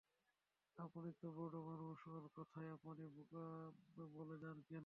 আপনি তো বড়ো মানুষ, ওর কথায় আপনি বোকা বনে যান কেন?